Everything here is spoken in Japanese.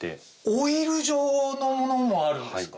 オイル状のものもあるんですか？